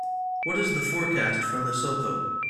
what is the forecast for Lesotho